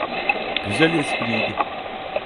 Güzel espriydi.